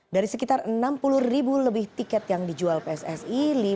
dari sekitar enam puluh ribu lebih tiket yang dijual pssi